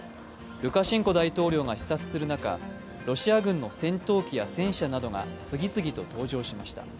ルカシェンコ大統領が視察する中、ロシア軍の戦闘機や戦車などが次々と登場しました。